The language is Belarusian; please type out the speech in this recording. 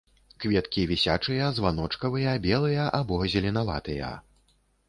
Кветкі вісячыя, званочкавыя, белыя або зеленаватыя.